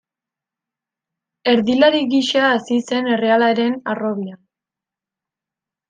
Erdilari gisa hazi zen errealaren harrobian.